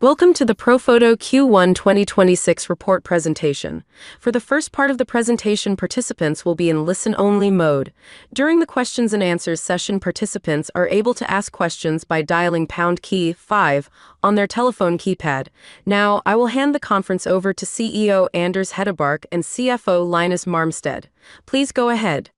Welcome to the Profoto Q1 2026 report presentation. For the first part of the presentation, participants will be in listen-only mode. During the questions and answers session, participants are able to ask questions by dialing pound key five on their telephone keypad. I will hand the conference over to CEO Anders Hedebark and CFO Linus Marmstedt. Please go ahead.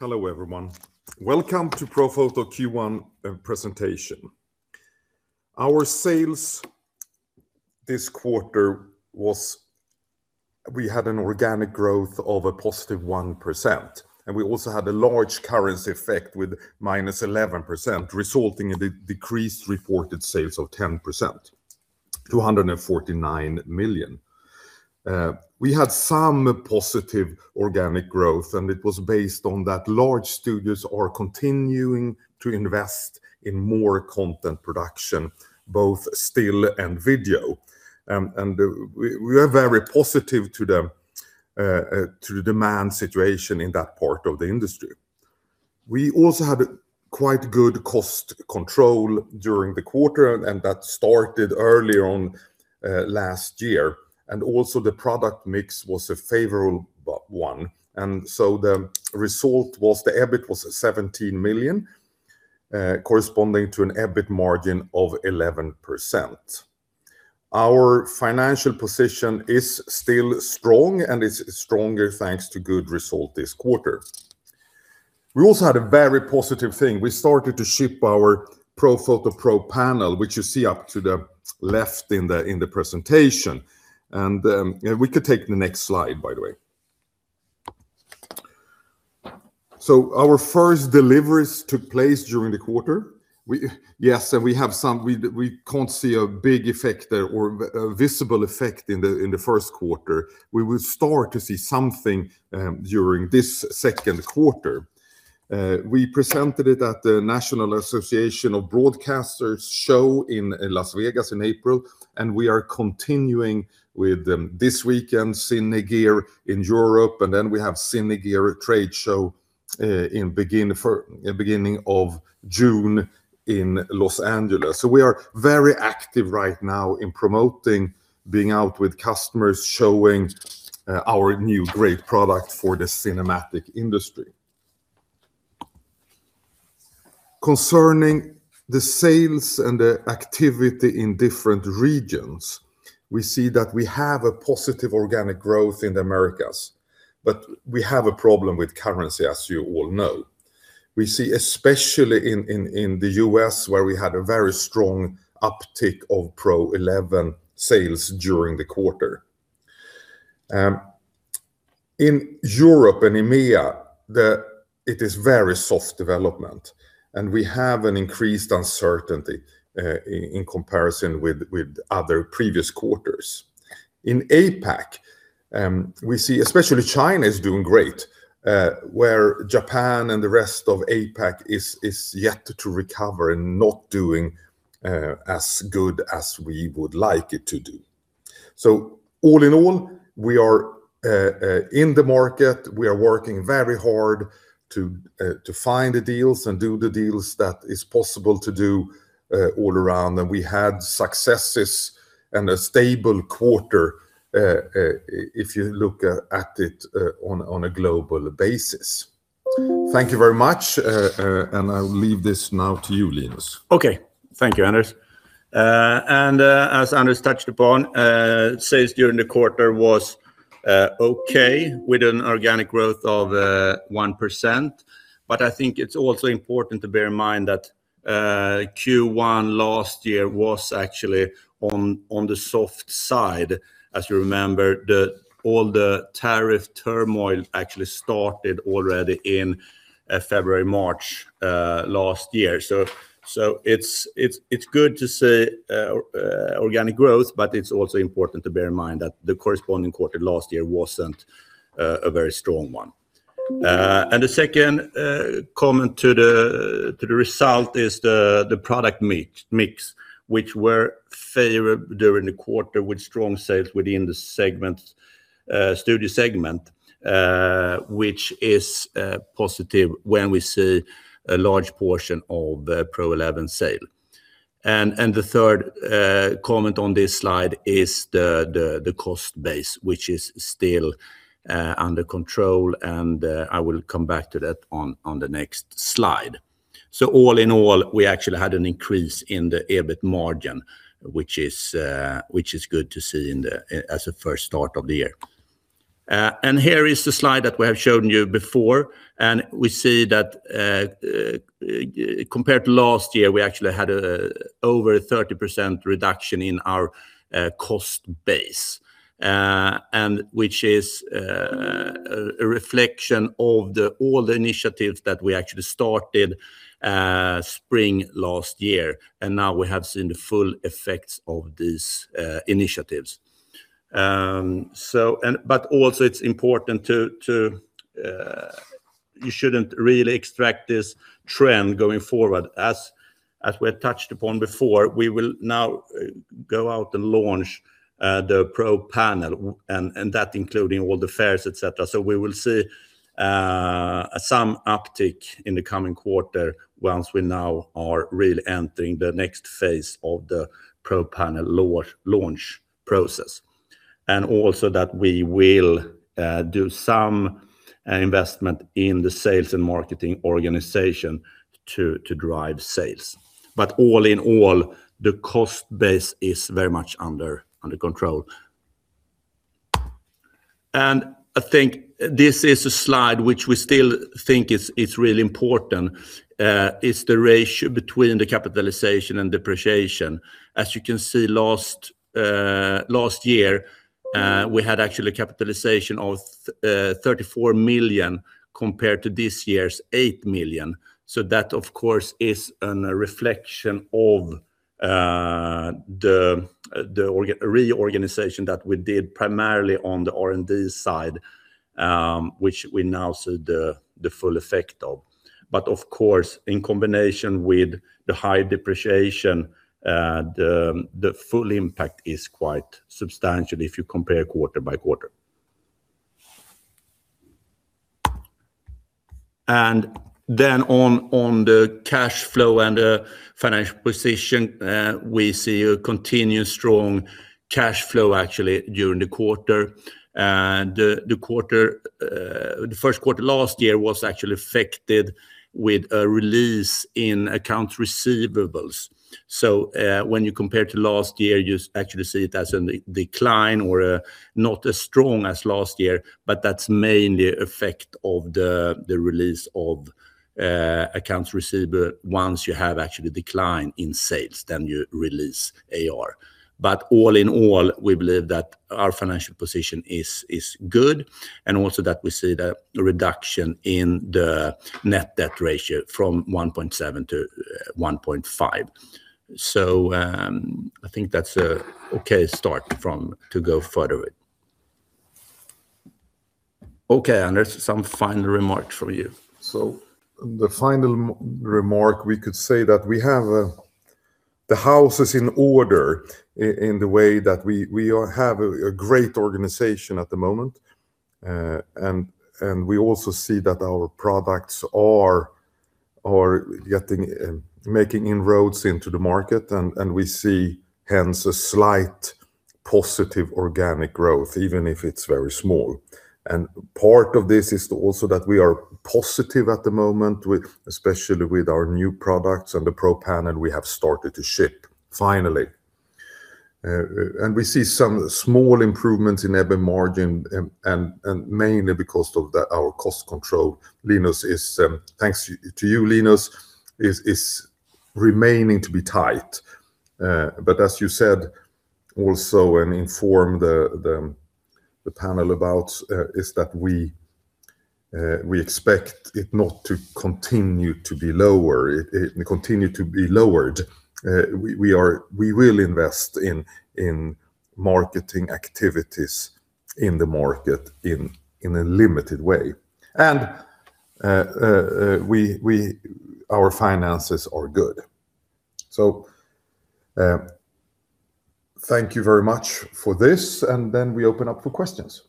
Hello, everyone. Welcome to Profoto Q1 presentation. We had an organic growth of a positive 1%, and we also had a large currency effect with minus 11%, resulting in the decreased reported sales of 10%, 249 million. We had some positive organic growth. It was based on that large studios are continuing to invest in more content production, both still and video. We are very positive to the demand situation in that part of the industry. We also had quite good cost control during the quarter. That started early on last year. Also the product mix was a favorable one. The result was the EBIT was 17 million, corresponding to an EBIT margin of 11%. Our financial position is still strong, and it's stronger thanks to good result this quarter. We also had a very positive thing. We started to ship our Profoto ProPanel, which you see up to the left in the presentation. And we could take the next slide, by the way. Our first deliveries took place during the quarter. We have some we can't see a big effect there or a visible effect in the first quarter. We will start to see something during this second quarter. We presented it at the National Association of Broadcasters show in Las Vegas in April, and we are continuing with them this weekend, Cine Gear in Europe, and then we have Cine Gear trade show in beginning of June in Los Angeles. We are very active right now in promoting being out with customers, showing our new great product for the cinematic industry. Concerning the sales and the activity in different regions, we see that we have a positive organic growth in the Americas. We have a problem with currency, as you all know. We see especially in the U.S., where we had a very strong uptick of Pro-11 sales during the quarter. In Europe and EMEA, it is very soft development, and we have an increased uncertainty in comparison with other previous quarters. In APAC, we see especially China is doing great, where Japan and the rest of APAC is yet to recover and not doing as good as we would like it to do. All in all, we are in the market. We are working very hard to find the deals and do the deals that is possible to do all around. We had successes and a stable quarter if you look at it on a global basis. Thank you very much, and I'll leave this now to you, Linus. Okay. Thank you, Anders. As Anders touched upon, sales during the quarter was okay with an organic growth of 1%. I think it's also important to bear in mind that Q1 last year was actually on the soft side. As you remember, all the tariff turmoil actually started already in February, March last year. It's good to see organic growth, but it's also important to bear in mind that the corresponding quarter last year wasn't a very strong one. The second comment to the result is the product mix, which were favor during the quarter with strong sales within the segment, studio segment, which is positive when we see a large portion of Pro-11 sale. The third comment on this slide is the cost base, which is still under control, and I will come back to that on the next slide. All in all, we actually had an increase in the EBIT margin, which is good to see in the as a first start of the year. Here is the slide that we have shown you before, and we see that compared to last year, we actually had a over 30% reduction in our cost base, and which is a reflection of the all the initiatives that we actually started spring last year, and now we have seen the full effects of these initiatives. But also it's important. You shouldn't really extract this trend going forward. As we had touched upon before, we will now go out and launch the ProPanel and that including all the fairs, et cetera. We will see some uptick in the coming quarter once we now are really entering the next phase of the ProPanel launch process. Also that we will do some investment in the sales and marketing organization to drive sales. All in all, the cost base is very much under control. I think this is a slide which we still think is really important, is the ratio between the capitalization and depreciation. As you can see last year, we had actually capitalization of 34 million compared to this year's 8 million. That, of course, is an reflection of the reorganization that we did primarily on the R&D side, which we now see the full effect of. Of course, in combination with the high depreciation, the full impact is quite substantial if you compare quarter by quarter. On, on the cash flow and financial position, we see a continued strong cash flow actually during the quarter. The quarter, the first quarter last year was actually affected with a release in accounts receivables. When you compare to last year, you actually see it as an decline or not as strong as last year, but that's mainly effect of the release of accounts receivable. Once you have actually decline in sales, then you release AR. All in all, we believe that our financial position is good, and also that we see the reduction in the net debt ratio from 1.7 to 1.5. I think that's a okay start from to go further with. Okay, Anders, some final remarks from you. The final remark, we could say that we have the house is in order in the way that we all have a great organization at the moment. We also see that our products are getting making inroads into the market and we see hence a slight positive organic growth, even if it’s very small. Part of this is also that we are positive at the moment with, especially with our new products and the ProPanel we have started to ship finally. We see some small improvements in EBIT margin and mainly because of the, our cost control. Linus is, thanks to you, Linus, is remaining to be tight. As you said also and informed the panel about, is that we expect it not to continue to be lower, it continue to be lowered. We are, we will invest in marketing activities in the market in a limited way. We our finances are good. Thank you very much for this, and then we open up for questions.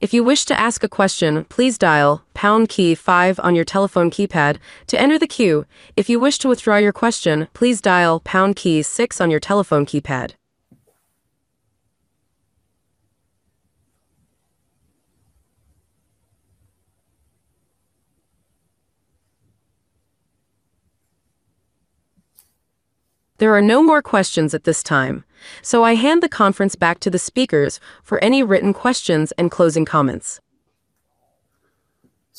If you wish to ask a question, please dial pound key five on your telephone keypad. To enter the queue, if you wish to withdraw your question, please dial pound key six on your telephone keypad. There are no more questions at this time, so I hand the conference back to the speakers for any written questions and closing comments.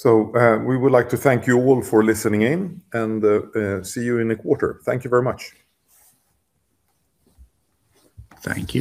We would like to thank you all for listening in and, see you in a quarter. Thank you very much. Thank you.